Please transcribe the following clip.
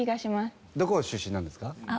どこ出身なんですか？